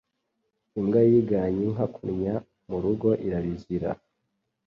Imbwa yiganye inka kunnya mu rugo irabizira